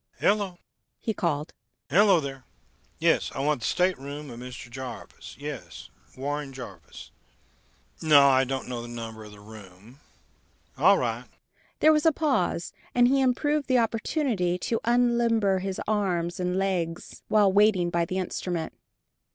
"Hello!" he called. "Hello, there.... Yes. I want the stateroom of Mr. Jarvis.... Yes, Warren Jarvis.... No, I don't know the number of the room.... All right." There was a pause, and he improved the opportunity to unlimber his arms and legs, while waiting by the instrument.